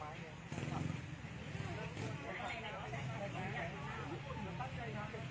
อันดับอันดับอันดับอันดับอันดับอันดับ